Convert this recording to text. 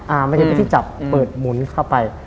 มันจะเป็นที่จับเปิดหมุนเข้าไป